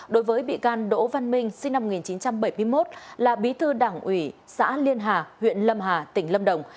đối với bị can đỗ văn minh sinh năm một nghìn chín trăm bảy mươi một là bí thư đảng ủy xã liên hà huyện lâm hà tỉnh lâm đồng